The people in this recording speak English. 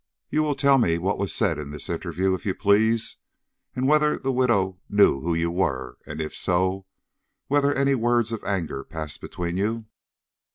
"You will tell me what was said in this interview, if you please, and whether the widow knew who you were; and, if so, whether any words of anger passed between you?"